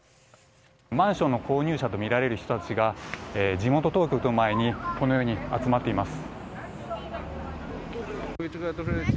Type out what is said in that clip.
マンションの購入者とみられる人たちが地元当局の前に集まっています。